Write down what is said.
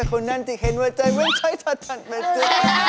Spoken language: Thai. คนนั้นที่เห็นว่าใจเว้นใช้เธอทันไปเจอ